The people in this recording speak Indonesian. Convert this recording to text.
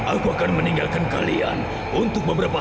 aku akan meninggalkan kalian untuk beberapa hari